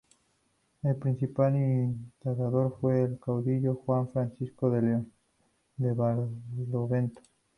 El principal instigador fue el caudillo Juan Francisco de León, de Barlovento.